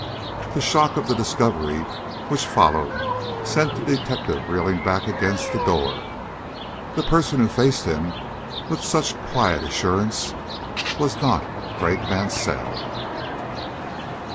The shock of the discovery which followed sent the detective reeling back against the door. The person who faced him with such quiet assurance was not Craik Mansell.